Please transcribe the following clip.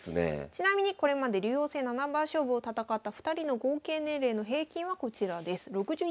ちなみにこれまで竜王戦七番勝負を戦った２人の合計年齢の平均はこちらです。